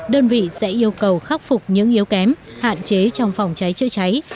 đơn vị sẽ yêu cầu khắc phục những yếu kém hạn chế trong phòng cháy chữa cháy